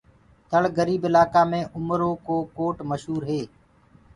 ٿݪ گريب الآڪآ مي اُمر ڪو ڪوٽ مشهوري